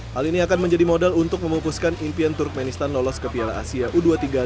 hal ini akan menjadi modal untuk memupuskan impian turkmenistan lolos ke piala asia u dua puluh tiga dua ribu dua puluh